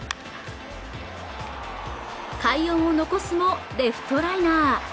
快音を残すもレフトライナー